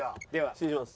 失礼します。